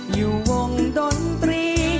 อยู่วงดนตรี